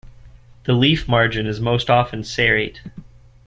The leaf margin is most often serrate.